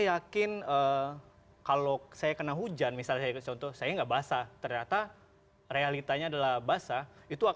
yakin kalau saya kena hujan misalnya contoh saya enggak basah ternyata realitanya adalah basah itu